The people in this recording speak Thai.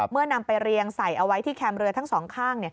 นำไปเรียงใส่เอาไว้ที่แคมป์เรือทั้งสองข้าง